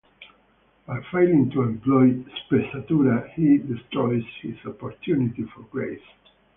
By failing to employ "sprezzatura", he destroys his opportunity for grace.